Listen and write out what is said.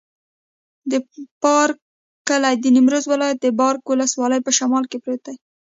د بارک کلی د نیمروز ولایت، بارک ولسوالي په شمال کې پروت دی.